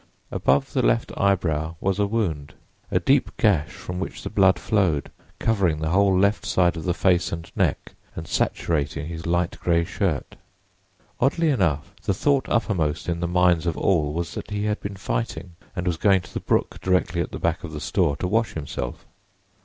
Above the left eyebrow was a wound—a deep gash from which the blood flowed, covering the whole left side of the face and neck and saturating his light gray shirt. Oddly enough, the thought uppermost in the minds of all was that he had been fighting and was going to the brook directly at the back of the store, to wash himself.